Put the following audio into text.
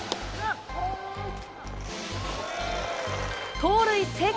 盗塁成功。